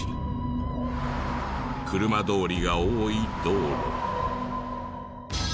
車通りが多い道路。